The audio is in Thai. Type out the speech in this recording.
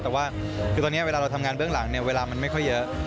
แต่ว่าคือตอนนี้เวลาเราทำงานเบื้องหลังเนี่ยเวลามันไม่ค่อยเยอะ